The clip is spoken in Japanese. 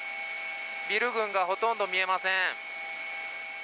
ビル群がほとんど見えません。